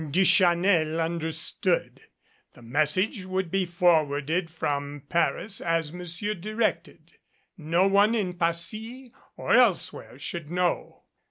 Duchanel understood. The message would be for warded from Paris as Monsieur directed. No one in Passy or elsewhere should know.